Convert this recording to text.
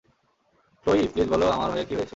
Chloe, please বলো আমার ভাইয়ের কী হয়েছে।